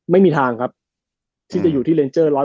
ไม่มีทางครับที่จะอยู่ที่เลนเจอร์๑๐